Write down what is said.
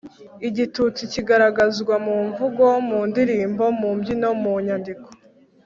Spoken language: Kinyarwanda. lgitutsi kigaragazwa mu mvugo, mu ndirimbo, mu mbyino, mu nyandiko,